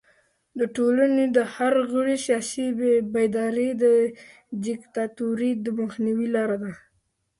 د ټولنې د هر غړي سیاسي بیداري د دیکتاتورۍ د مخنیوي لاره ده.